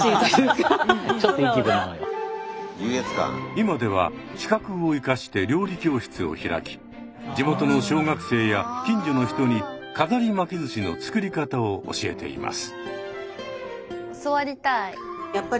今では資格を生かして料理教室を開き地元の小学生や近所の人に飾り巻き寿司の作り方を教えています。